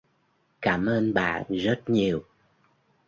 cảm ơn bạn rất nhiều